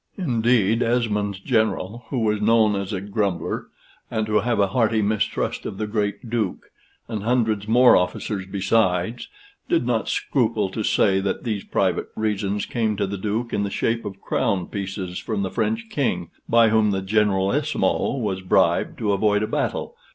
Indeed, Esmond's general, who was known as a grumbler, and to have a hearty mistrust of the great Duke, and hundreds more officers besides, did not scruple to say that these private reasons came to the Duke in the shape of crown pieces from the French King, by whom the Generalissimo was bribed to avoid a battle.